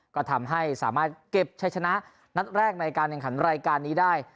ก็ทำให้สามารถเก็บใช้ชนะนัดแรกในการแข่งขันรายการนี้ได้